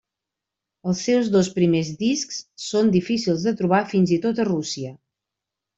Els seus dos primers discs són difícils de trobar, fins i tot a Rússia.